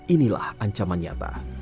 inilah ancaman nyata